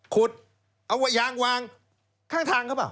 ขุดเอายางวางข้างทางครับ